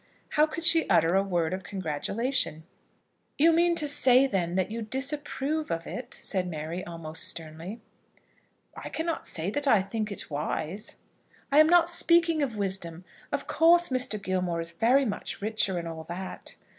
How could she utter a word of congratulation? "You mean, then, to say that you disapprove of it?" said Mary, almost sternly. "I cannot say that I think it wise." "I am not speaking of wisdom. Of course, Mr. Gilmore is very much richer, and all that."